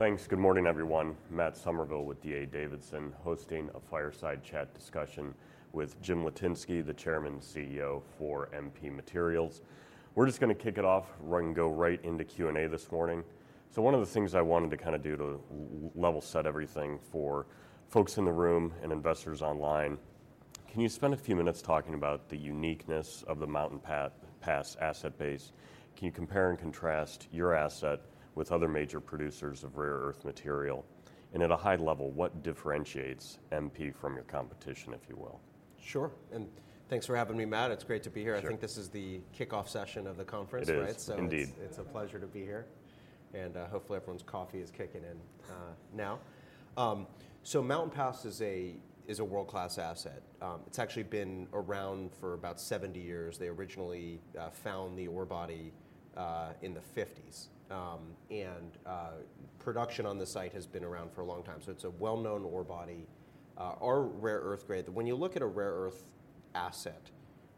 Thanks. Good morning, everyone. Matt Summerville with D.A. Davidson, hosting a fireside chat discussion with Jim Litinsky, the chairman and CEO for MP Materials. We're just gonna kick it off. We're gonna go right into Q&A this morning. So one of the things I wanted to kind a do to level set everything for folks in the room and investors online: Can you spend a few minutes talking about the uniqueness of the Mountain Pass asset base? Can you compare and contrast your asset with other major producers of rare earth material? And at a high level, what differentiates MP from your competition, if you will? Sure, and thanks for having me, Matt. It's great to be here. Sure. I think this is the kickoff session of the conference, right? It is, indeed. It's a pleasure to be here, and hopefully everyone's coffee is kicking in now. Mountain Pass is a world-class asset. It's actually been around for about 70 years. They originally found the ore body in the 1950s. Production on the site has been around for a long time, so it's a well-known ore body, or rare earth grade. When you look at a rare earth asset,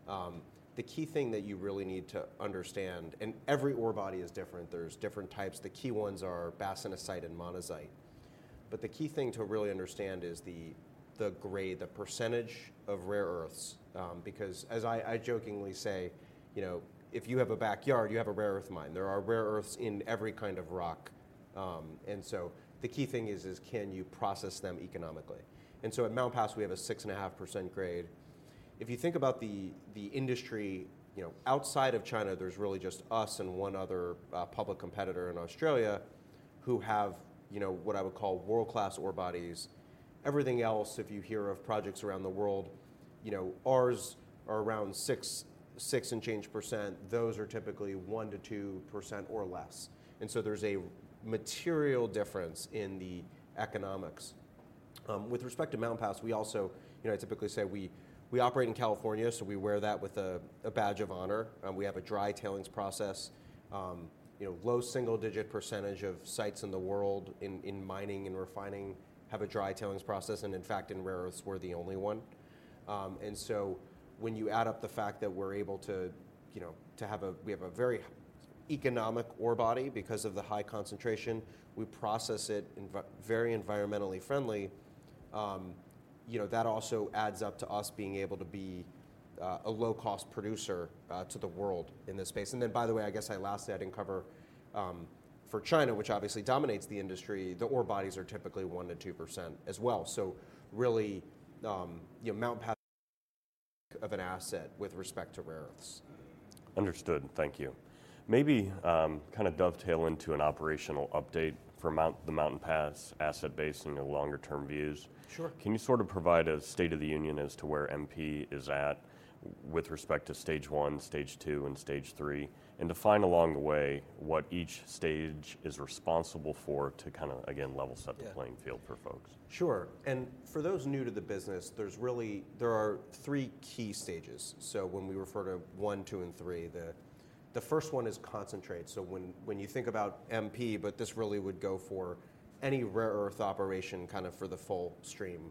the key thing that you really need to understand... Every ore body is different. There are different types. The key ones are bastnaesite and monazite. But the key thing to really understand is the grade, the percentage of rare earths, because as I jokingly say, you know, "If you have a backyard, you have a rare earth mine." There are rare earths in every kind of rock. And so the key thing is, is can you process them economically? And so at Mountain Pass, we have a 6.5% grade. If you think about the industry, you know, outside of China, there's really just us and one other, public competitor in Australia who have, you know, what I would call world-class ore bodies. Everything else, if you hear of projects around the world, you know, ours are around 6, 6 and change %. Those are typically 1%-2% or less, and so there's a material difference in the economics. With respect to Mountain Pass, we also— You know, I typically say we operate in California, so we wear that with a badge of honor. We have a dry tailings process. You know, low single-digit percentage of sites in the world in mining and refining have a dry tailings process, and in fact, in rare earths, we're the only one. And so when you add up the fact that we're able to, you know, have a very economic ore body because of the high concentration, we process it very environmentally friendly. You know, that also adds up to us being able to be a low-cost producer to the world in this space. And then, by the way, I guess I last said and cover for China, which obviously dominates the industry, the ore bodies are typically 1%-2% as well. So really, you know, Mountain Pass of an asset with respect to rare earths. Understood. Thank you. Maybe, kind of dovetail into an operational update for the Mountain Pass asset base and your longer term views. Sure. Can you sort of provide a state of the union as to where MP is at with respect to Stage I, Stage II, and Stage III? And define along the way what each stage is responsible for to kind of, again, level-set- Yeah... the playing field for folks. Sure. For those new to the business, there are really three key stages. When we refer to one, two, and three, the first one is concentrate. When you think about MP, but this really would go for any rare earth operation, kind of for the full stream,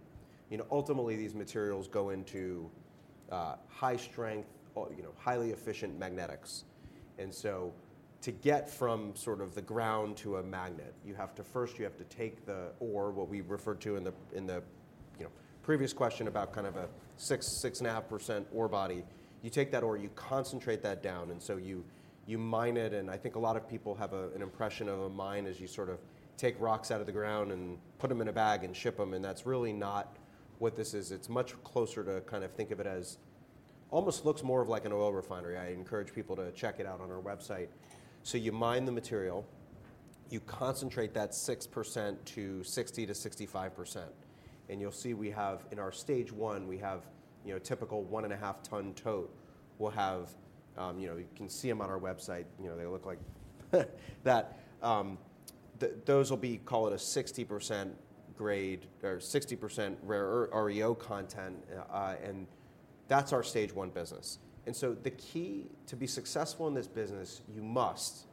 you know, ultimately, these materials go into, you know, high strength, or, you know, highly efficient magnetics. To get from sort of the ground to a magnet, you have to first take the ore, what we referred to in the previous question about kind of a 6%-6.5% ore body. You take that ore, you concentrate that down, and you mine it, and I think a lot of people have an impression of a mine as you sort of take rocks out of the ground and put them in a bag and ship them, and that's really not what this is. It's much closer to kind of think of it as... almost looks more of like an oil refinery. I encourage people to check it out on our website. You mine the material, you concentrate that 6% to 60%-65%, and you'll see we have, in our Stage I, we have, you know, a typical 1.5 ton tote. You'll have, you know, you can see them on our website. You know, they look like that. Those will be, call it a 60% grade or 60% rare earth, REO content, and that's our Stage I business. And so the key to be successful in this business, you must,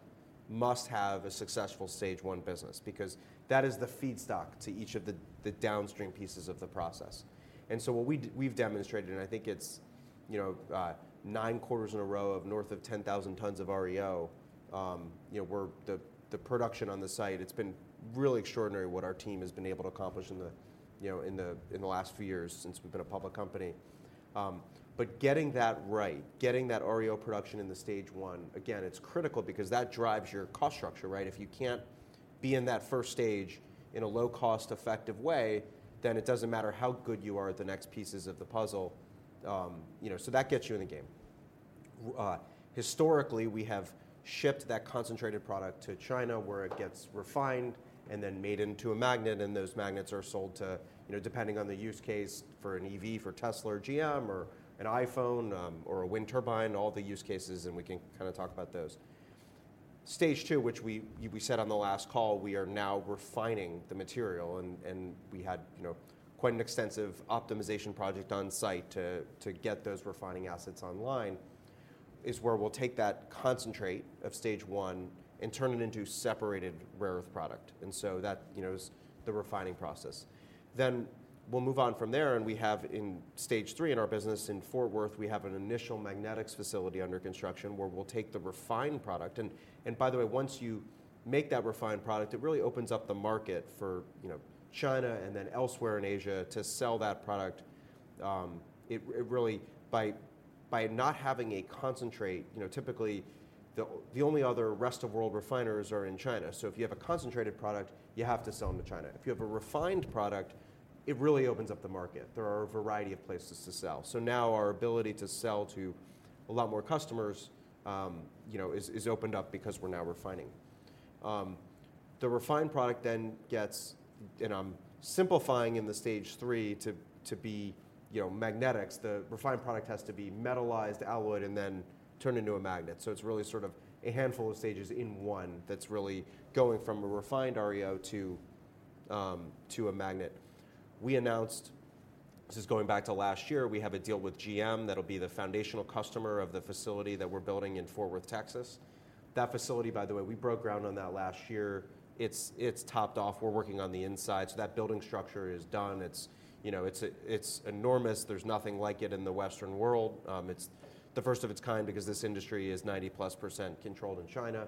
must have a successful Stage I business, because that is the feedstock to each of the downstream pieces of the process. And so what we've demonstrated, and I think it's, you know, nine quarters in a row of north of 10,000 tons of REO. You know, the production on the site, it's been really extraordinary what our team has been able to accomplish in the last few years since we've been a public company. But getting that right, getting that REO production into Stage I, again, it's critical because that drives your cost structure, right? If you can't be in that first stage in a low-cost, effective way, then it doesn't matter how good you are at the next pieces of the puzzle. You know, so that gets you in the game. Historically, we have shipped that concentrated product to China, where it gets refined and then made into a magnet, and those magnets are sold to, you know, depending on the use case, for an EV, for Tesla or GM, or an iPhone, or a wind turbine, all the use cases, and we can kind a talk about those. Stage II, which we said on the last call, we are now refining the material, and we had, you know, quite an extensive optimization project on site to get those refining assets online, is where we'll take that concentrate of Stage I and turn it into separated rare earth product, and so that, you know, is the refining process. Then we'll move on from there, and we have in Stage III in our business, in Fort Worth, we have an initial magnetics facility under construction, where we'll take the refined product. And by the way, once you make that refined product, it really opens up the market for, you know, China and then elsewhere in Asia to sell that product. It really by not having a concentrate, you know, typically the only other rest-of-world refiners are in China. So if you have a concentrated product, you have to sell them to China. If you have a refined product, it really opens up the market. There are a variety of places to sell. So now our ability to sell to a lot more customers, you know, is opened up because we're now refining. The refined product then gets... And I'm simplifying in the Stage III to be, you know, magnetics. The refined product has to be metallized, alloyed, and then turned into a magnet. So it's really sort of a handful of stages in one that's really going from a refined REO to a magnet. We announced, this is going back to last year, we have a deal with GM that'll be the foundational customer of the facility that we're building in Fort Worth, Texas. That facility, by the way, we broke ground on that last year. It's, it's topped off. We're working on the inside, so that building structure is done. It's, you know, it's, it's enormous. There's nothing like it in the Western world. It's the first of its kind because this industry is 90+% controlled in China.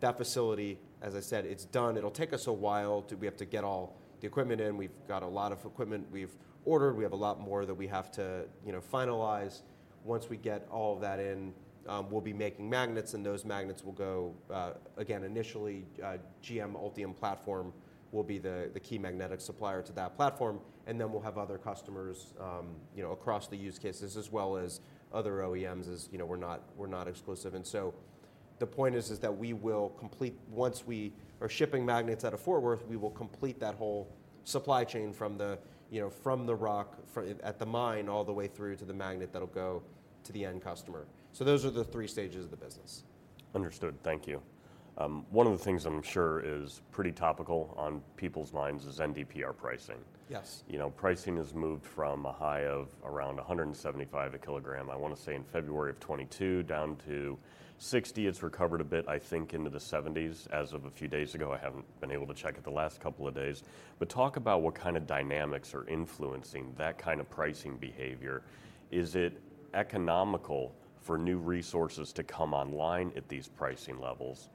That facility, as I said, it's done. It'll take us a while to-- we have to get all the equipment in. We've got a lot of equipment we've ordered. We have a lot more that we have to, you know, finalize. Once we get all of that in, we'll be making magnets, and those magnets will go, again, initially, GM Ultium platform will be the key magnetic supplier to that platform, and then we'll have other customers, you know, across the use cases, as well as other OEMs, as you know, we're not, we're not exclusive. The point is that we will complete-- Once we are shipping magnets out of Fort Worth, we will complete that whole supply chain from the, you know, from the rock for... at the mine, all the way through to the magnet that'll go to the end customer. Those are the three stages of the business. Understood. Thank you. One of the things I'm sure is pretty topical on people's minds is NdPr pricing. Yes. You know, pricing has moved from a high of around $175 a kilogram, I wanna say in February of 2022, down to $60. It's recovered a bit, I think, into the $70s as of a few days ago. I haven't been able to check it the last couple of days. Talk about what kind of dynamics are influencing that kind of pricing behavior. Is it economical for new resources to come online at these pricing levels?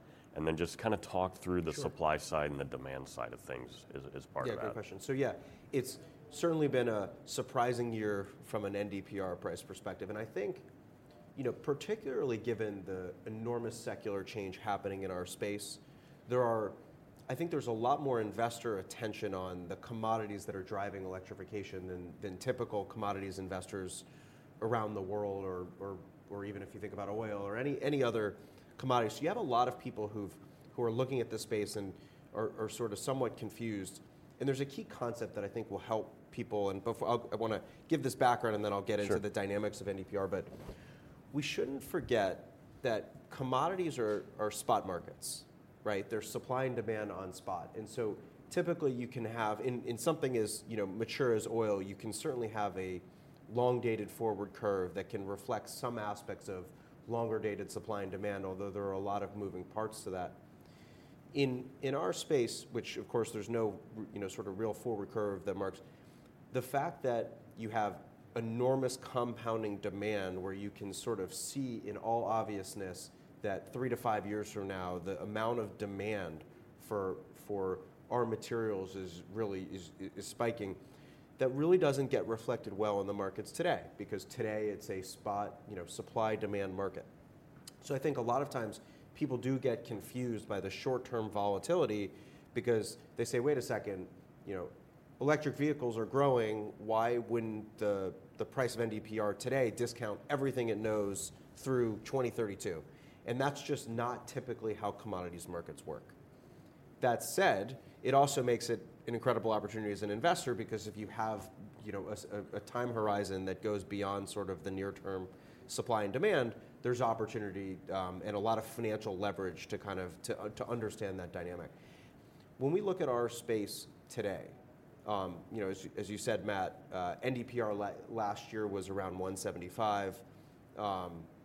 Just kind a talk through— Sure. the supply side and the demand side of things as part of that. Yeah, good question. Yeah, it's certainly been a surprising year from an NdPr price perspective, and I think, you know, particularly given the enormous secular change happening in our space, there are-- I think there's a lot more investor attention on the commodities that are driving electrification than, than typical commodities investors around the world, or, or, or even if you think about oil or any, any other commodities. You have a lot of people who've-- who are looking at this space and are, are sorta somewhat confused, and there's a key concept that I think will help people. Before... I, I wanna give this background, and then I'll get into- Sure... the dynamics of NdPr. But we shouldn't forget that commodities are spot markets, right? They're supply and demand on spot, and so typically you can have, in something as, you know, mature as oil, you can certainly have a long-dated forward curve that can reflect some aspects of longer-dated supply and demand, although there are a lot of moving parts to that. In our space, which, of course, there's no, you know, sort of real forward curve that marks the fact that you have enormous compounding demand, where you can sort of see in all obviousness that three to five years from now, the amount of demand for our materials is really spiking, that really doesn't get reflected well in the markets today, because today it's a spot, you know, supply-demand market. So I think a lot of times people do get confused by the short-term volatility because they say: Wait a second, you know, electric vehicles are growing. Why wouldn't the price of NdPr today discount everything it knows through 2032? And that's just not typically how commodities markets work. That said, it also makes it an incredible opportunity as an investor because if you have, you know, a time horizon that goes beyond sort of the near-term supply and demand, there's opportunity and a lot of financial leverage to kind of to understand that dynamic. When we look at our space today, you know, as you said, Matt, NdPr last year was around $175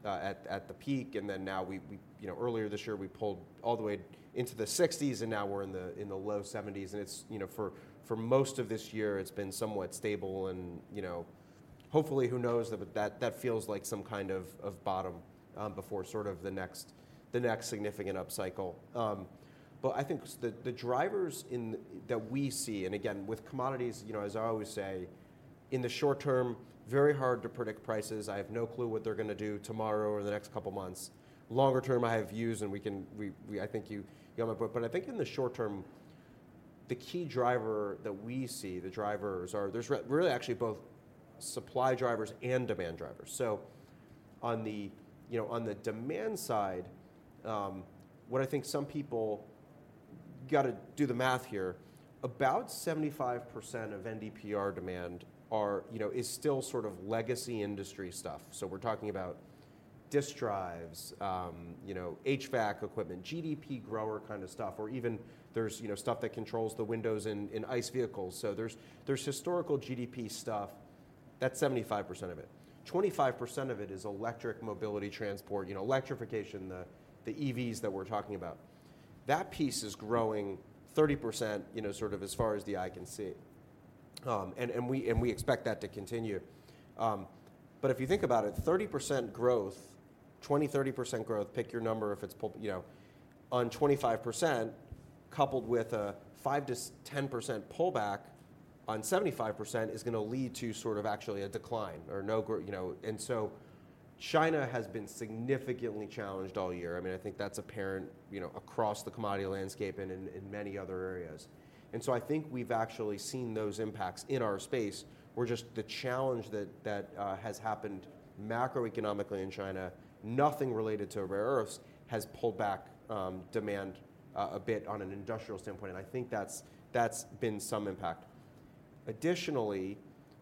at the peak, and then now we... You know, earlier this year, we pulled all the way into the 60s, and now we're in the low 70s, and it's, you know, for most of this year, it's been somewhat stable. And, you know, hopefully, who knows? That feels like some kind of bottom before sort of the next significant upcycle. But I think the drivers that we see, and again, with commodities, you know, as I always say, in the short term, very hard to predict prices. I have no clue what they're gonna do tomorrow or the next couple of months. Longer term, I have views, and we can. I think you have my book. But I think in the short term, the key driver that we see, the drivers are, there's really actually both supply drivers and demand drivers. So on the, you know, on the demand side, what I think some people gotta do the math here, about 75% of NdPr demand are, you know, is still sort of legacy industry stuff. So we're talking about disk drives, you know, HVAC equipment, GDP growth kind of stuff, or even there's, you know, stuff that controls the windows in ICE vehicles. So there's historical GDP stuff. That's 75% of it. 25% of it is electric mobility transport, you know, electrification, the EVs that we're talking about. That piece is growing 30%, you know, sort of as far as the eye can see, and we expect that to continue. But if you think about it, 30% growth, 20, 30% growth, pick your number, if it's, you know, on 25%-... Coupled with a 5%-10% pullback on 75% is going to lead to sort of actually a decline or no grow, you know. China has been significantly challenged all year. I mean, I think that's apparent, you know, across the commodity landscape and in, in many other areas. I think we've actually seen those impacts in our space, where just the challenge that has happened macroeconomically in China, nothing related to rare earths, has pulled back demand a bit on an industrial standpoint, and I think that's been some impact. Additionally,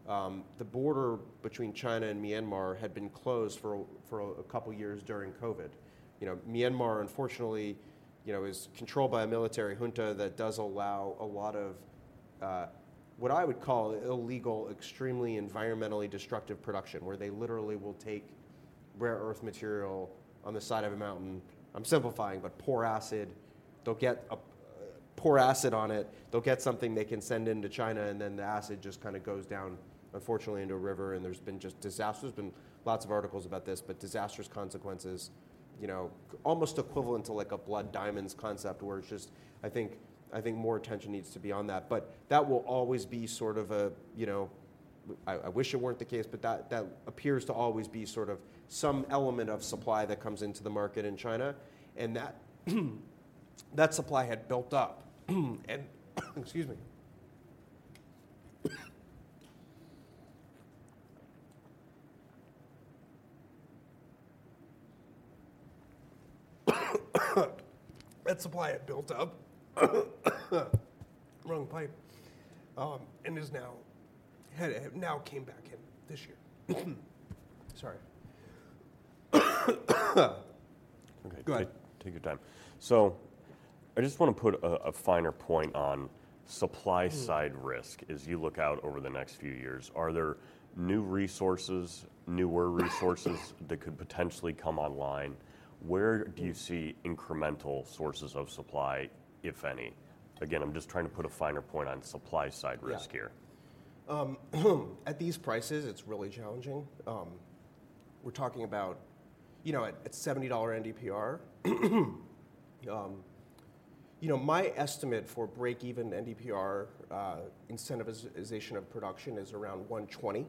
the border between China and Myanmar had been closed for a couple of years during COVID. You know, Myanmar, unfortunately, you know, is controlled by a military junta that does allow a lot of what I would call illegal, extremely environmentally destructive production, where they literally will take rare earth material on the side of a mountain. I'm simplifying, but pour acid on it, they'll get something they can send into China, and then the acid just kind a goes down, unfortunately, into a river, and there's been just disasters. There's been lots of articles about this, but disastrous consequences, you know, almost equivalent to, like, a blood diamonds concept, where it's just—I think, I think more attention needs to be on that. But that will always be sort of a, you know, I, I wish it weren't the case, but that, that appears to always be sort of some element of supply that comes into the market in China, and that that supply had built up, and excuse me. That supply had built up. Wrong pipe, and has now, had now came back in this year. Sorry. Okay, go ahead. Take your time. So I just want to put a finer point on supply side risk- Mm. As you look out over the next few years. Are there new resources, newer resources-... that could potentially come online? Where do you see incremental sources of supply, if any? Again, I'm just trying to put a finer point on supply side risk here. Yeah. At these prices, it's really challenging. We're talking about, you know, at $70 NdPr. You know, my estimate for break-even NdPr incentivization of production is around $120.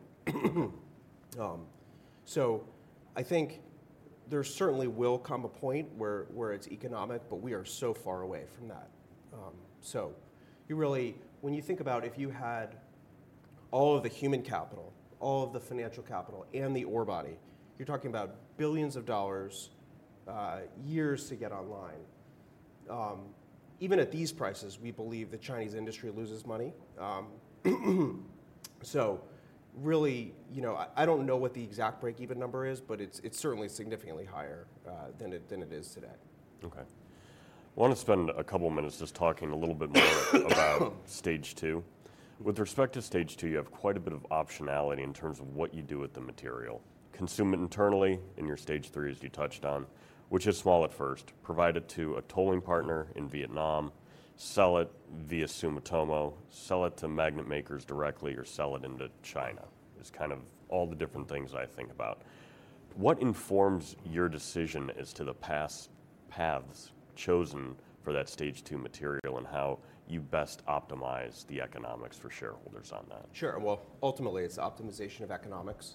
I think there certainly will come a point where it's economic, but we are so far away from that. You really—when you think about if you had all of the human capital, all of the financial capital, and the ore body, you're talking about billions of dollars, years to get online. Even at these prices, we believe the Chinese industry loses money. Really, you know, I don't know what the exact break-even number is, but it's certainly significantly higher than it is today. Okay. I want to spend a couple of minutes just talking a little bit more about Stage II. With respect to Stage II, you have quite a bit of optionality in terms of what you do with the material. Consume it internally in your Stage III, as you touched on, which is small at first, provide it to a tolling partner in Vietnam, sell it via Sumitomo, sell it to magnet makers directly, or sell it into China, is kind of all the different things I think about. What informs your decision as to the paths, paths chosen for that Stage II material and how you best optimize the economics for shareholders on that? Sure. Well, ultimately, it's optimization of economics.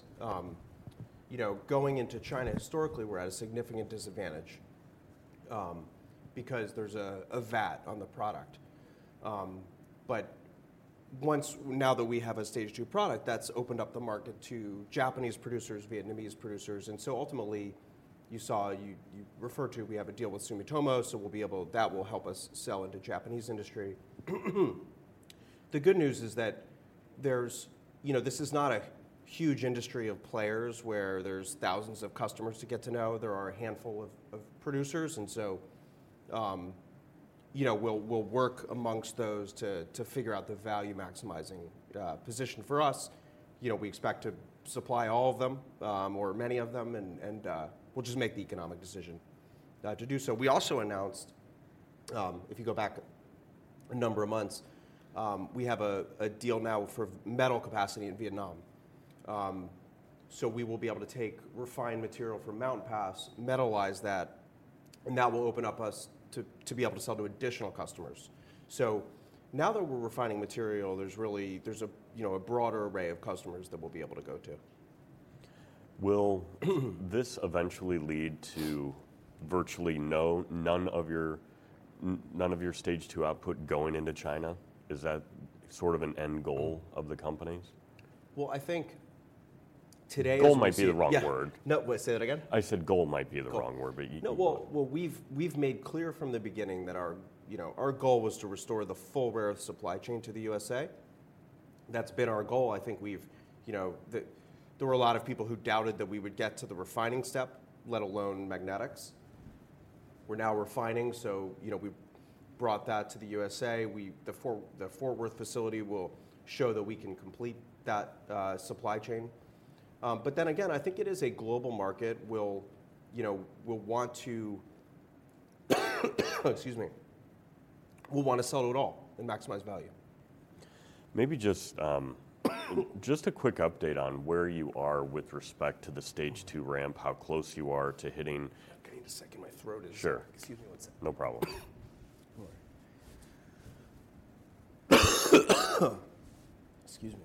You know, going into China, historically, we're at a significant disadvantage, because there's a VAT on the product. But once, now that we have a Stage II product, that's opened up the market to Japanese producers, Vietnamese producers, and so ultimately, you saw, you referred to, we have a deal with Sumitomo, so we'll be able. That will help us sell into Japanese industry. The good news is that there's. You know, this is not a huge industry of players where there's thousands of customers to get to know. There are a handful of producers, and so, you know, we'll work amongst those to figure out the value-maximizing position. For us, you know, we expect to supply all of them, or many of them, and we'll just make the economic decision to do so. We also announced, if you go back a number of months, we have a deal now for metal capacity in Vietnam. So we will be able to take refined material from Mountain Pass, metalize that, and that will open up us to be able to sell to additional customers. So now that we're refining material, there's really, there's a, you know, a broader array of customers that we'll be able to go to. Will this eventually lead to virtually none of your Stage II output going into China? Is that sort of an end goal of the company? Well, I think today- Goal might be the wrong word. Yeah. No, wait, say that again. I said goal might be the wrong word, but you- No. Well, we've made clear from the beginning that our, you know, our goal was to restore the full rare earth supply chain to the USA. That's been our goal. I think we've, you know, There were a lot of people who doubted that we would get to the refining step, let alone magnetics. We're now refining, so, you know, we've brought that to the USA. We, the Fort Worth facility will show that we can complete that supply chain. But then again, I think it is a global market. We'll, you know, we'll want to, excuse me, sell it all and maximize value.... Maybe just, just a quick update on where you are with respect to the Stage II ramp, how close you are to hitting- Give me a second. My throat is- Sure. Excuse me one second. No problem. Excuse me.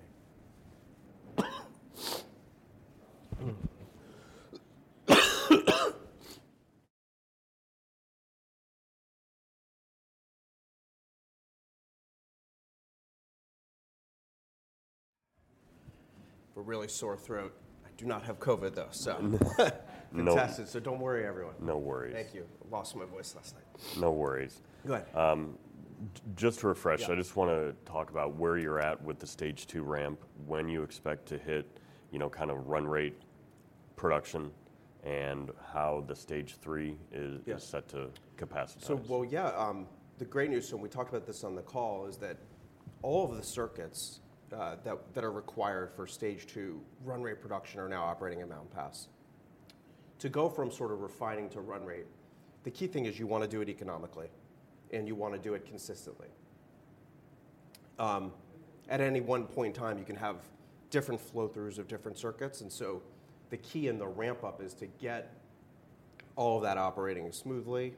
A really sore throat. I do not have COVID, though, so No. Tested, so don't worry, everyone. No worries. Thank you. I lost my voice last night. No worries. Go ahead. Just to refresh- Yeah... I just wanna talk about where you're at with the Stage II ramp, when you expect to hit, you know, kind of run rate production, and how the Stage III is- Yeah... is set to capacitize. So, well, yeah, the great news, and we talked about this on the call, is that all of the circuits that are required for Stage II run rate production are now operating in Mountain Pass. To go from sort of refining to run rate, the key thing is you wanna do it economically, and you wanna do it consistently. At any one point in time, you can have different flow-throughs of different circuits, and so the key in the ramp-up is to get all of that operating smoothly.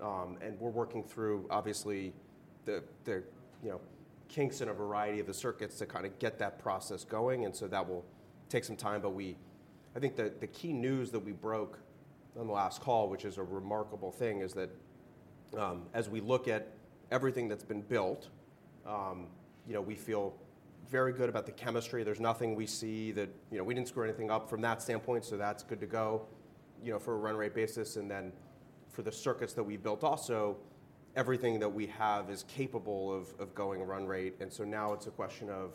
We're working through, obviously, the, you know, kinks in a variety of the circuits to kind a get that process going, and that will take some time, but we-- I think the key news that we broke on the last call, which is a remarkable thing, is that, as we look at everything that's been built, you know, we feel very good about the chemistry. There's nothing we see that... You know, we didn't screw anything up from that standpoint, so that's good to go, you know, for a run rate basis. And then, for the circuits that we built also, everything that we have is capable of going run rate, and now it's a question of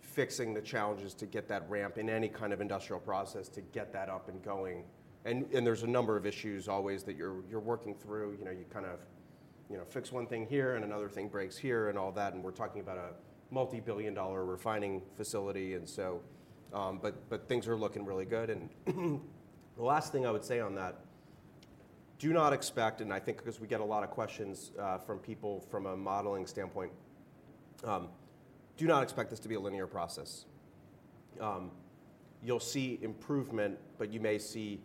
fixing the challenges to get that ramp in any kind of industrial process, to get that up and going. There's a number of issues always that you're working through. You know, you kind of, you know, fix one thing here, and another thing breaks here, and all that, and we're talking about a multi-billion dollar refining facility. Things are looking really good, and the last thing I would say on that: Do not expect-- and I think 'cause we get a lot of questions, you know, from people from a modeling standpoint, do not expect this to be a linear process. You'll see improvement, but you may see,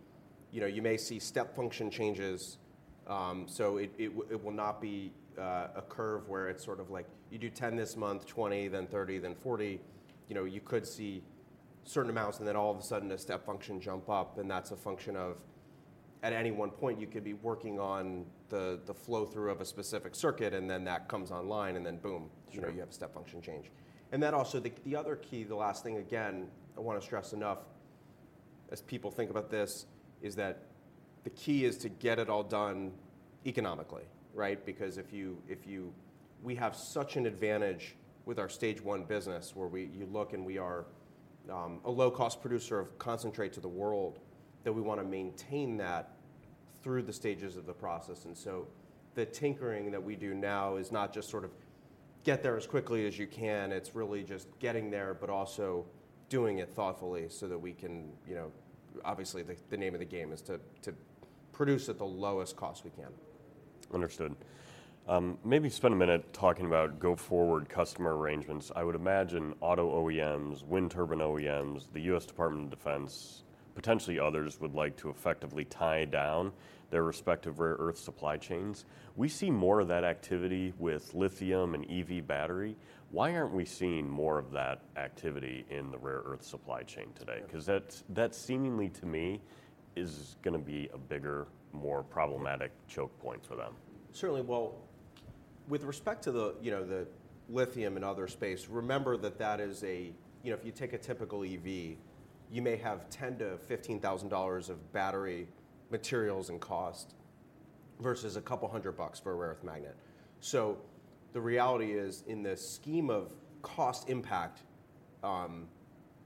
you know, you may see step function changes, so it will not be a curve where it's sort of like you do 10 this month, 20, then 30, then 40. You know, you could see certain amounts, and then all of a sudden, a step function jump up, and that's a function of at any one point, you could be working on the flow-through of a specific circuit, and then that comes online, and then boom- Sure... you know, you have a step function change. The other key, the last thing again, I wanna stress enough as people think about this, is that the key is to get it all done economically, right? Because if you, if you-- We have such an advantage with our Stage I business, where you look, and we are a low-cost producer of concentrate to the world, that we wanna maintain that through the stages of the process. The tinkering that we do now is not just sort of, "Get there as quickly as you can." It's really just getting there, but also doing it thoughtfully, so that we can, you know... Obviously, the name of the game is to produce at the lowest cost we can. Understood. Maybe spend a minute talking about go-forward customer arrangements. I would imagine auto OEMs, wind turbine OEMs, the U.S. Department of Defense, potentially others, would like to effectively tie down their respective rare earth supply chains. We see more of that activity with lithium and EV battery. Why aren't we seeing more of that activity in the rare earth supply chain today? Yeah. 'Cause that seemingly to me is gonna be a bigger, more problematic choke point for them. Certainly. Well, with respect to the, you know, the lithium and other space, remember that that is a... You know, if you take a typical EV, you may have $10,000-$15,000 of battery materials and cost, versus a couple hundred bucks for a rare earth magnet. The reality is, in the scheme of cost impact,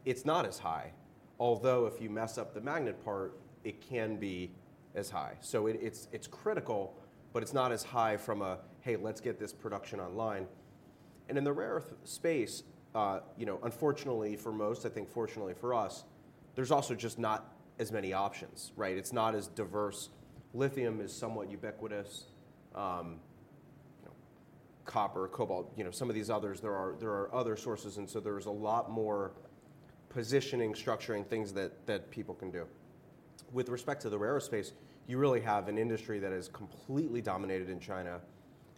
it's not as high, although if you mess up the magnet part, it can be as high. It's critical, but it's not as high from a, "Hey, let's get this production online." In the rare earth space, you know, unfortunately for most, I think fortunately for us, there's also just not as many options, right? It's not as diverse. Lithium is somewhat ubiquitous. You know, copper, cobalt, you know, some of these others, there are other sources, and so there is a lot more positioning, structuring, things that people can do. With respect to the rare earth space, you really have an industry that is completely dominated in China,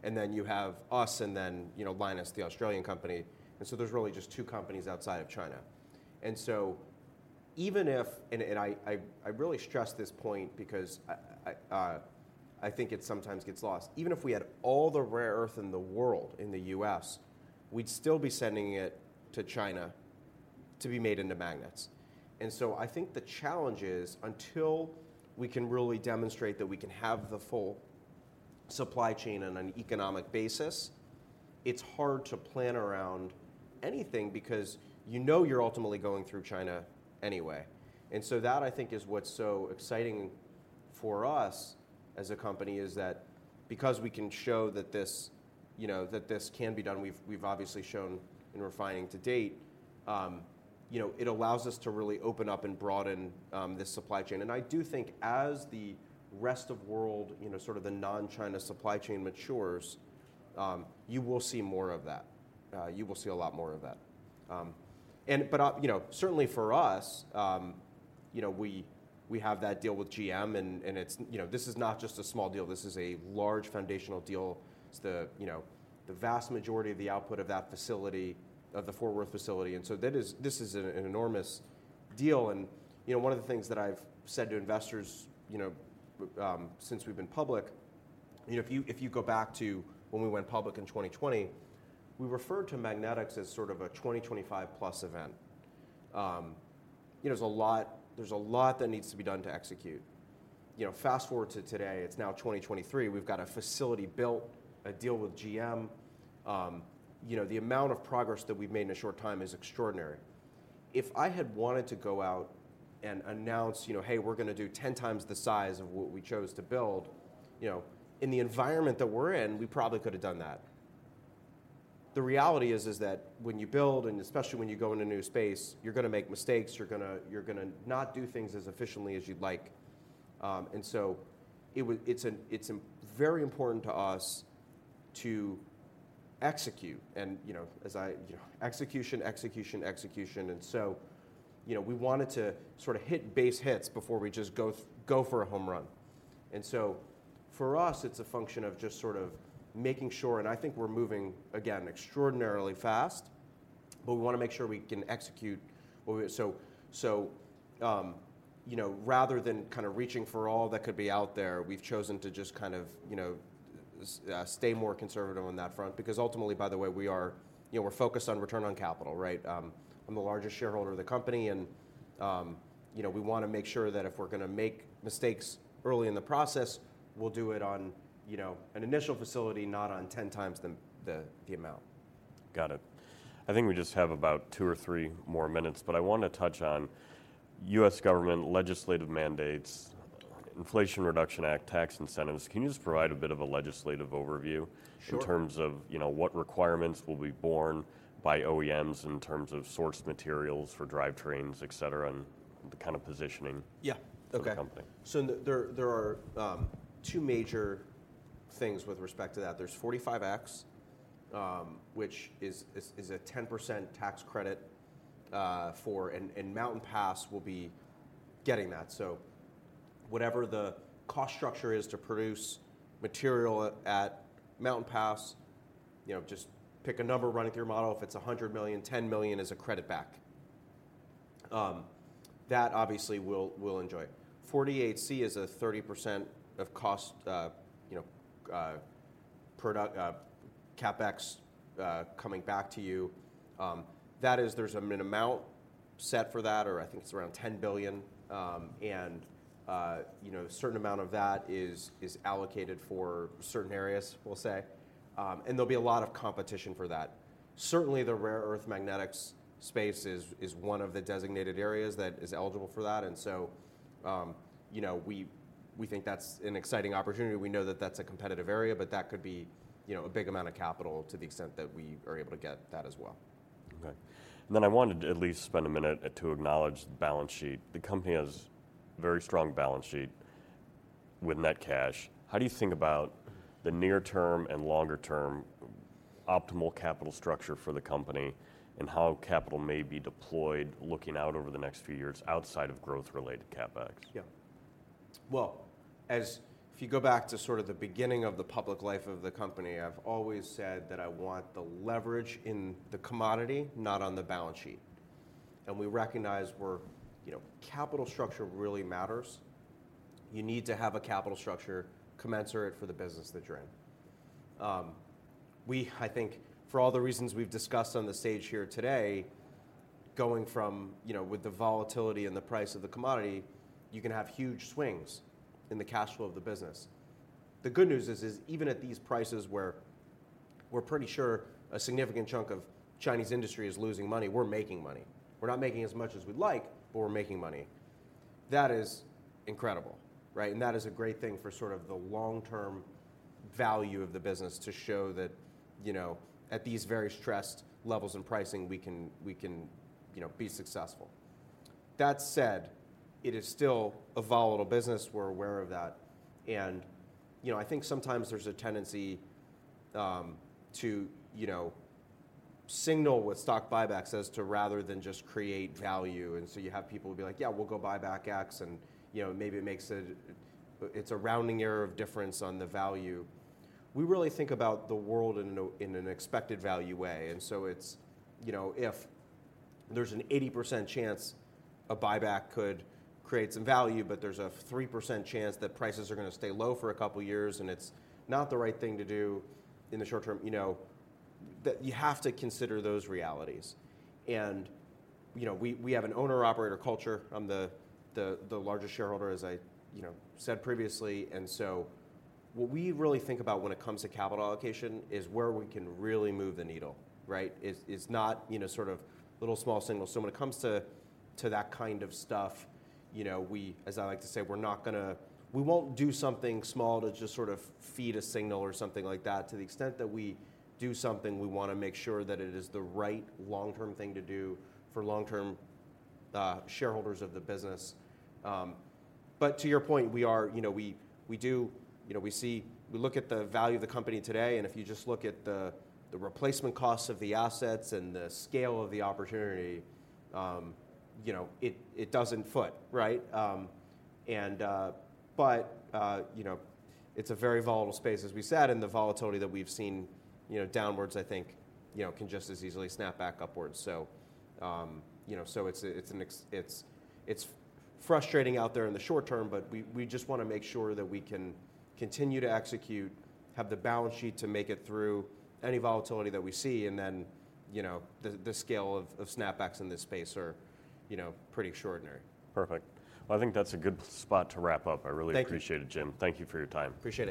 and then you have us, and then, you know, Lynas, the Australian company, and so there's really just two companies outside of China. And so even if... And I really stress this point because I think it sometimes gets lost. Even if we had all the rare earth in the world in the U.S., we'd still be sending it to China to be made into magnets. And so I think the challenge is, until we can really demonstrate that we can have the full supply chain on an economic basis, it's hard to plan around anything, because you know you're ultimately going through China anyway. And so that, I think, is what's so exciting for us as a company, is that because we can show that this, you know, that this can be done, we've obviously shown in refining to date, you know, it allows us to really open up and broaden this supply chain. And I do think as the rest of world, you know, sort of the non-China supply chain matures, you will see more of that. You will see a lot more of that. You know, certainly for us, you know, we, we have that deal with GM, and, and it's you know, this is not just a small deal. This is a large foundational deal. It's the, you know, the vast majority of the output of that facility, of the Fort Worth facility, and so that is this is an, an enormous deal. And, you know, one of the things that I've said to investors, you know, since we've been public... You know, if you, if you go back to when we went public in 2020, we referred to magnetics as sort of a 2025+ event. You know, there's a lot, there's a lot that needs to be done to execute. You know, fast-forward to today, it's now 2023. We've got a facility built, a deal with GM. You know, the amount of progress that we've made in a short time is extraordinary. If I had wanted to go out and announce, you know, "Hey, we're gonna do 10 times the size of what we chose to build," you know, in the environment that we're in, we probably could've done that. The reality is, is that when you build, and especially when you go into a new space, you're gonna make mistakes. You're gonna not do things as efficiently as you'd like, and so it's very important to us to execute. And, you know, execution, execution, execution, and so, you know, we wanted to sorta hit base hits before we just go for a home run. And so for us, it's a function of just sort of making sure... I think we're moving, again, extraordinarily fast, but we wanna make sure we can execute what we... you know, rather than kind a reaching for all that could be out there, we've chosen to just kind of, you know, stay more conservative on that front. Because ultimately, by the way, we are, you know, we're focused on return on capital, right? I'm the largest shareholder of the company, and, you know, we wanna make sure that if we're gonna make mistakes early in the process, we'll do it on, you know, an initial facility, not on 10 times the, the, the amount. Got it. I think we just have about two or three more minutes, but I wanna touch on U.S. government legislative mandates, Inflation Reduction Act, tax incentives. Can you just provide a bit of a legislative overview- Sure... in terms of, you know, what requirements will be borne by OEMs in terms of source materials for drivetrains, et cetera, and the kind of positioning- Yeah, okay. of the company? So there are two major things with respect to that. There's 45X, which is a 10% tax credit for and Mountain Pass will be getting that. So whatever the cost structure is to produce material at Mountain Pass, you know, just pick a number, run it through your model. If it's $100 million, $10 million is a credit back. That, obviously, we'll enjoy. 48C is 30% of cost, CapEx coming back to you. That is, there's an amount set for that, or I think it's around $10 billion, and a certain amount of that is allocated for certain areas, we'll say. And there'll be a lot of competition for that. Certainly, the rare earth magnetics space is one of the designated areas that is eligible for that, and so, you know, we think that's an exciting opportunity. We know that that's a competitive area, but that could be, you know, a big amount of capital to the extent that we are able to get that as well. Okay. And then I wanted to at least spend a minute to acknowledge the balance sheet. The company has very strong balance sheet with net cash. How do you think about the near-term and longer-term optimal capital structure for the company, and how capital may be deployed looking out over the next few years outside of growth-related CapEx? Yeah. Well, if you go back to sort of the beginning of the public life of the company, I've always said that I want the leverage in the commodity, not on the balance sheet. And we recognize we're, you know, capital structure really matters. You need to have a capital structure commensurate for the business that you're in. We, I think, for all the reasons we've discussed on the stage here today, going from, you know, with the volatility and the price of the commodity, you can have huge swings in the cash flow of the business. The good news is, even at these prices where we're pretty sure a significant chunk of Chinese industry is losing money, we're making money. We're not making as much as we'd like, but we're making money. That is incredible, right? And that is a great thing for sort of the long-term value of the business to show that, you know, at these very stressed levels in pricing, we can, you know, be successful. That said, it is still a volatile business. We're aware of that. And, you know, I think sometimes there's a tendency to, you know, signal with stock buybacks as to rather than just create value. And so you have people who be like, "Yeah, we'll go buy back X," and, you know, maybe it makes it, it's a rounding error of difference on the value. We really think about the world in an expected value way, and so it's... You know, if there's an 80% chance a buyback could create some value, but there's a 3% chance that prices are gonna stay low for a couple of years, and it's not the right thing to do in the short term, you know, that you have to consider those realities. And, you know, we have an owner/operator culture. I'm the largest shareholder, as I, you know, said previously. And so what we really think about when it comes to capital allocation is where we can really move the needle, right? It's not, you know, sort of little small signals. So when it comes to that kind of stuff, you know, we, as I like to say, we won't do something small to just sort of feed a signal or something like that. To the extent that we do something, we wanna make sure that it is the right long-term thing to do for long-term shareholders of the business. But to your point, we are, you know, we look at the value of the company today, and if you just look at the replacement costs of the assets and the scale of the opportunity, you know, it doesn't foot, right? But, you know, it's a very volatile space, as we said, and the volatility that we've seen, you know, downwards, I think, you know, can just as easily snap back upwards. So, you know, it's frustrating out there in the short term, but we just wanna make sure that we can continue to execute, have the balance sheet to make it through any volatility that we see, and then, you know, the scale of snapbacks in this space are, you know, pretty extraordinary. Perfect. Well, I think that's a good spot to wrap up. Thank you. I really appreciate it, Jim. Thank you for your time. Appreciate it.